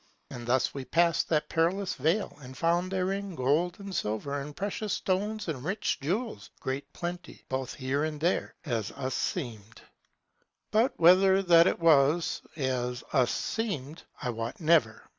And thus we passed that perilous vale, and found therein gold and silver, and precious stones and rich jewels, great plenty, both here and there, as us seemed. But whether that it was, as us seemed, I wot never.